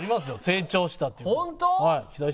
成長したっていうのが。